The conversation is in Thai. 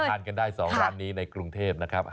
ทานกันได้๒ร้านนี้ในกรุงเทพนะครับ